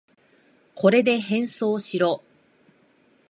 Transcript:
これで変装しろ。